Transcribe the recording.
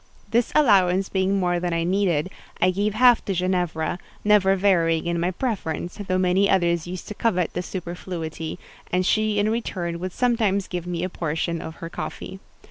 This allowance being more than I needed, I gave half to Ginevra; never varying in my preference, though many others used to covet the superfluity; and she in return would sometimes give me a portion of her coffee.